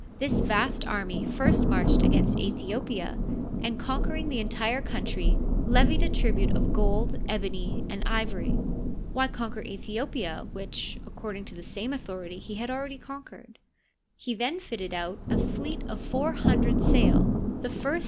This vast army first marched against Aethiopia (!), and, conquer ing the entire country, levied a tribute of ^old, ebony, and ivory. (Why conquer Aethiopia, which, according to the. same authority, he had already conquered.^) He then fitted out a fleet of four hundred sail, the first